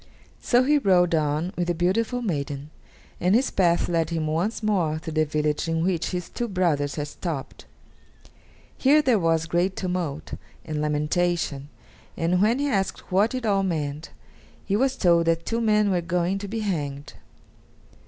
So he rode on with the beautiful maiden, and his path led him once more through the village in which his two brothers had stopped. Here there was great tumult and lamentation, and when he asked what it all meant, he was told that two men were going to be hanged.